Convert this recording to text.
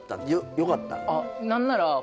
よかったの？